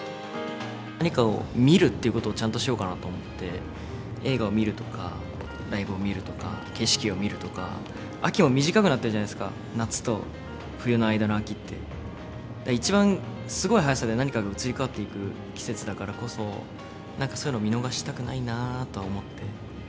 何かを見るということをちゃんとしようかなと思って、映画を見るとか、ライブを見るとか、景色を見るとか、秋も短くなったじゃないですか、夏と冬の間の秋って、一番すごい早さで何かが移り変わっていく季節だからこそ、なんか、そういうのを見逃したくないなと思って。